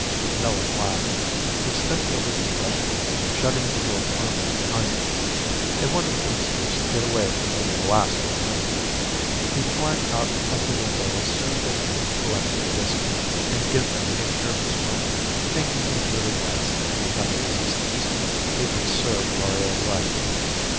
No one laughed. He stepped over the threshold, shutting the door firmly behind him. A wonderful excuse to get away from those blasted women. He'd climb out of the window as soon as he'd collected the whiskey and give them a nervous moment thinking he'd really passed into another existence. It would serve Gloria right.